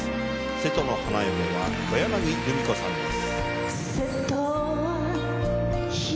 『瀬戸の花嫁』は小柳ルミ子さんです。